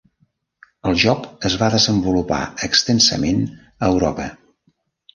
El joc es va desenvolupar extensament a Europa.